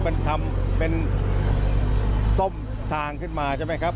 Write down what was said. มันทำเป็นส้มทางขึ้นมาใช่ไหมครับ